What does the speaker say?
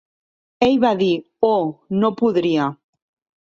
Ell va dir: "Oh, no podria".